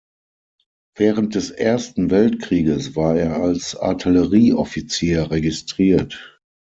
Während des Ersten Weltkrieges war er als Artillerieoffizier registriert.